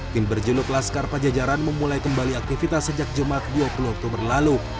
tim berjunuk laskar pajajaran memulai kembali aktivitas sejak jumat dua puluh dua berlalu